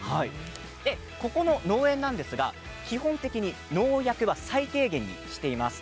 この農園なんですが基本的に農薬は最低限にしています。